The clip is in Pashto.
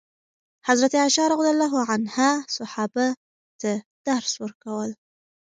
حضرت عایشه رضي الله عنها صحابه ته درس ورکول.